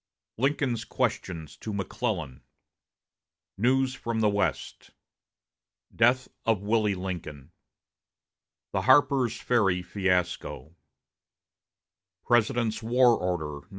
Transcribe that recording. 1 Lincoln's Questions to McClellan News from the West Death of Willie Lincoln The Harper's Ferry Fiasco President's War Order No.